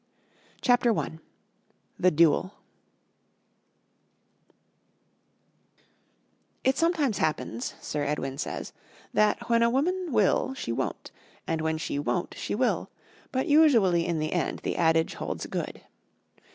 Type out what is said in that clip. CHAPTER I The Duel It sometimes happens, Sir Edwin says, that when a woman will she won't, and when she won't she will; but usually in the end the adage holds good.